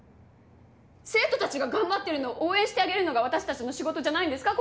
生徒たちが頑張っているのを応援してあげるのが私たちの仕事じゃないんですか？